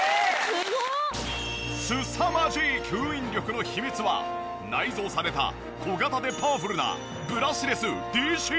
すさまじい吸引力の秘密は内蔵された小型でパワフルな。